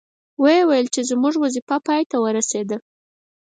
وې ویل چې زموږ وظیفه پای ته ورسیده.